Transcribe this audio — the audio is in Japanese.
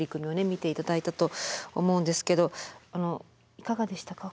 見て頂いたと思うんですけどいかがでしたか？